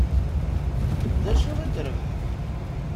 D acu i d-rebḥeɣ?